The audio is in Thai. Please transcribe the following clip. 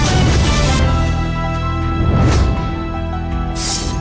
สีเขียวครับ